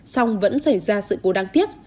song vẫn xảy ra sự cố đáng tiếc